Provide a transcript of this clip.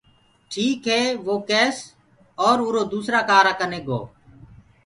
ٺيڪ هي وه ڪيس اور اُرو دوُسرآ ڪآرآ ڪني گو۔